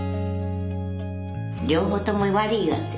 両方とも悪いわってな。